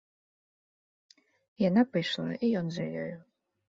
Яна пайшла, і ён за ёю.